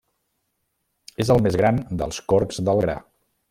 És el més gran dels corcs del gra.